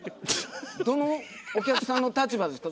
どのお客さんの立場ですか？